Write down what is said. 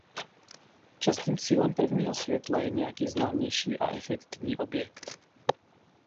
Častým cílem prvního světla je nějaký známější a efektní objekt.